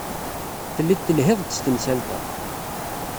Telliḍ telhiḍ-d s temsalt-a.